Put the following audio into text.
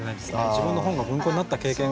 自分の本が文庫になった経験が。